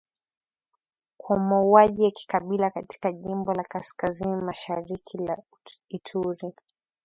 kwa mauaji ya kikabila katika jimbo la kaskazini mashariki la Ituri